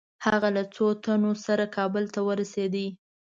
هغه له څو تنو سره کابل ته ورسېد.